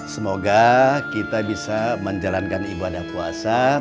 semoga kita bisa menjalankan ibadah puasa